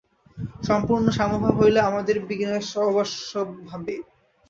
সম্পূর্ণ সাম্যভাব হইলে আমাদের বিনাশ অবশ্যম্ভাবী।